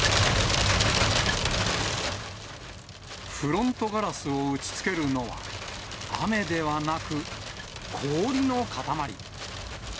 フロントガラスを打ちつけるのは、雨ではなく氷の塊。